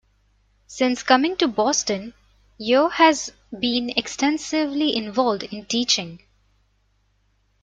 Since coming to Boston, Yeo has been extensively involved in teaching.